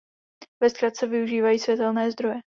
Ve zkratce využívají světelné zdroje.